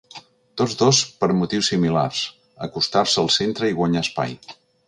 Tots dos per motius similars, acostar-se al centre i guanyar espai.